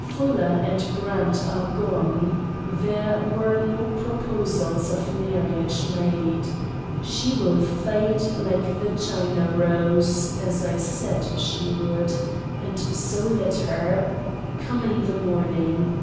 — Fuller and Brandt are gone ; There were no Proposals of Marriage made. — She will fade like the China Rose, as I said she would and so let her. Come in the Morning.